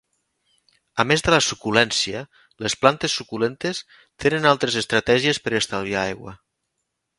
A més de la suculència, les plantes suculentes tenen altres estratègies per estalviar aigua.